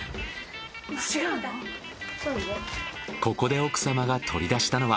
ここで奥さまが取り出したのは。